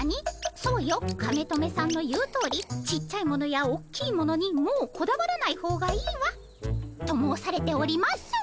「そうよカメトメさんの言うとおりちっちゃいものやおっきいものにもうこだわらない方がいいわ」と申されております。